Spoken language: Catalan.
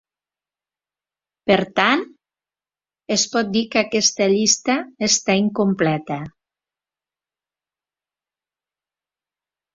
Per tant, es pot dir que aquesta llista està incompleta.